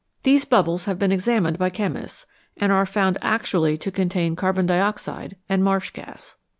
These bubbles have been examined by chemists, and are found actually to contain carbon dioxide and marsh gas.